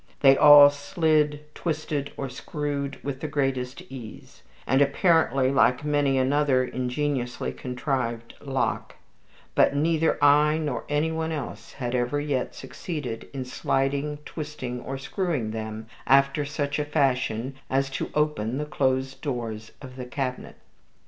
They all slid, twisted, or screwed with the greatest ease, and apparently like many another ingeniously contrived lock; but neither I nor any one else had ever yet succeeded in sliding, twisting, or screwing them after such a fashion as to open the closed doors of the cabinet.